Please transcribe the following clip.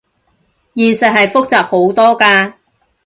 現實係複雜好多㗎